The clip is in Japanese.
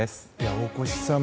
大越さん